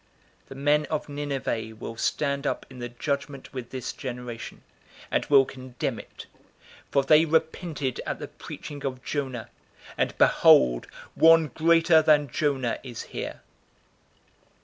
011:032 The men of Nineveh will stand up in the judgment with this generation, and will condemn it: for they repented at the preaching of Jonah, and behold, one greater than Jonah is here.